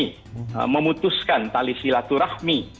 nah itu yang tidak diperbolehkan di dalam ajaran agama